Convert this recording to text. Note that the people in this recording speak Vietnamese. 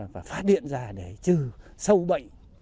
và phát điện ra để trừ sâu bệnh